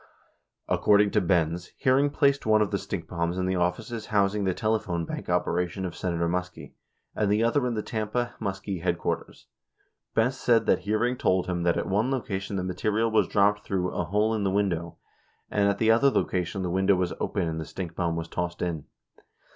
According to Benz, Hearing placed one of the stink bombs in the offices housing the telephone bank operation of Senator Muskie, and the other in the Tampa Muskie headquarters, Benz said that Hearing told him that at one location the material was dropped through a "hole in the window,'' and at the other location the window was open and the stink bomb was tossed in